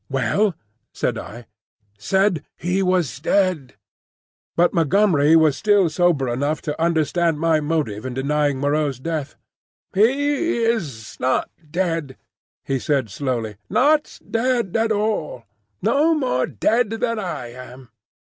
"Well?" said I. "Said he was dead." But Montgomery was still sober enough to understand my motive in denying Moreau's death. "He is not dead," he said slowly, "not dead at all. No more dead than I am."